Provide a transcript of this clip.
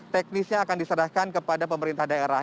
teknisnya akan diserahkan kepada pemerintah daerah